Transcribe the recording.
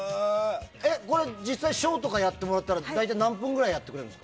実際にショーとかやってもらったら大体何分ぐらいやってくれるんですか？